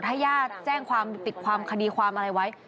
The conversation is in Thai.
แล้วถ้าย่าแจ้งความติดความคดีความอะไรไว้